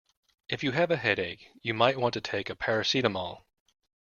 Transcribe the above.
If you have a headache you might want to take a paracetamol